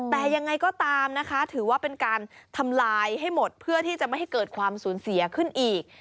แต่ยังไงก็ตามนะคะถือว่าเป็นการทำลายให้หมดเพื่อที่จะไม่ให้เกิดความสูญเสียขึ้นอีก